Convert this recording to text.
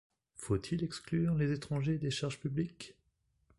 Faut-il exclure les étrangers des charges publiques?